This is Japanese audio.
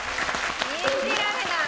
信じられない！